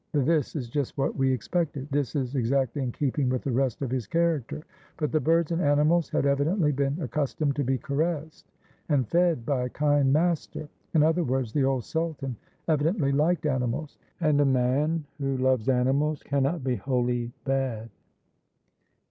This is just what we expected. This is ex actly in keeping with the rest of his character." But the birds and animals had evidently been accustomed to be caressed and fed by a kind master. In other words, the old sultan evidently liked animals, and a man who loves animals cannot be wholly bad.